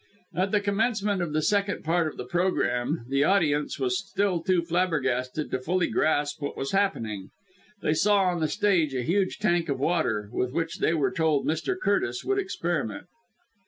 At the commencement of the second part of the programme the audience was still too flabbergasted to fully grasp what was happening. They saw on the stage a huge tank of water with which they were told Mr. Curtis would experiment.